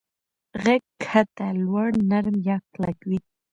غږ کښته، لوړ، نرم یا کلک وي.